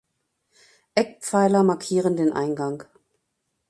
Eckpfeiler markieren den Eingang.